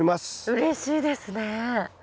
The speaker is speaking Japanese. うれしいですね。